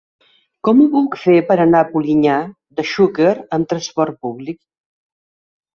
Com ho puc fer per anar a Polinyà de Xúquer amb transport públic?